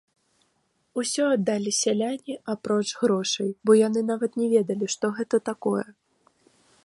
Усё аддалі сяляне, апроч грошай, бо яны нават не ведалі, што гэта такое.